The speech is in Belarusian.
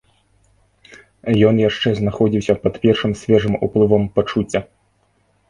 Ён яшчэ знаходзіўся пад першым свежым уплывам пачуцця.